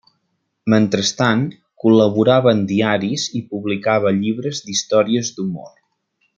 Mentrestant, col·laborava en diaris i publicava llibres d'històries d'humor.